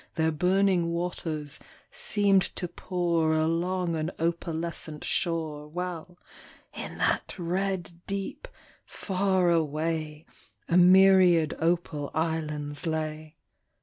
Their burning waters seemed to pour Along an opalescent shore, While, in that red deep, far away, A myriad opal islands lay.